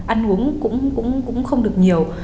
ăn uống cũng không được nhiều